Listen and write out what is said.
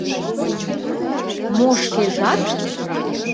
Мо шкежат?